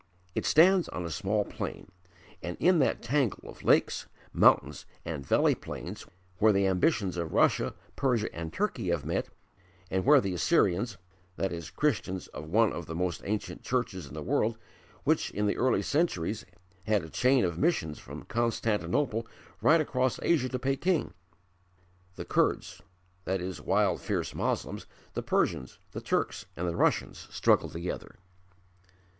It stands on a small plain and in that tangle of lakes, mountains and valley plains where the ambitions of Russia, Persia and Turkey have met, and where the Assyrians (Christians of one of the most ancient churches in the world, which in the early centuries had a chain of missions from Constantinople right across Asia to Peking), the Kurds (wild, fierce Moslems), the Persians, the Turks and the Russians struggled together.